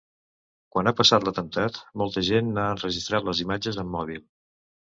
Quan ha passat l’atemptat, molta gent n’ha enregistrat les imatges amb mòbil.